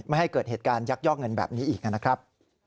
ไม่ให้เกิดเหตุการณ์ยักยอกเงินแบบนี้อีกนะครับ